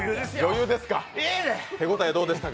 手応えどうでしか？